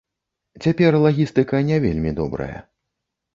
Цяпер лагістыка не вельмі добрая.